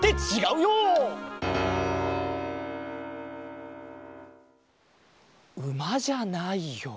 うまじゃないよ。